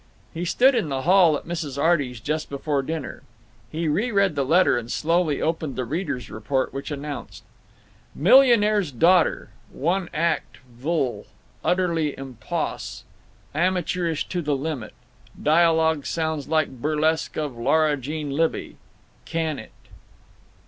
He stood in the hall at Mrs. Arty's just before dinner. He reread the letter and slowly opened the reader's report, which announced: "Millionaire's Daughter." One act vlle. Utterly impos. Amateurish to the limit. Dialogue sounds like burlesque of Laura Jean Libbey. Can it.